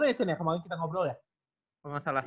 tau gak ya cen yang kemarin kita ngobrol ya